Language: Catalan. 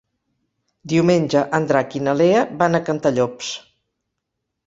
Diumenge en Drac i na Lea van a Cantallops.